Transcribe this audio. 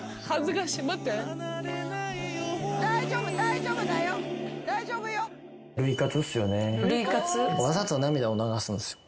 大丈夫大丈夫だよ。